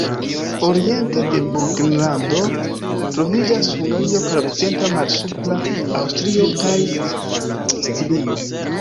Oriente de Burgenlando troviĝas Hungario kaj okcidente Malsupra Aŭstrio kaj Stirio.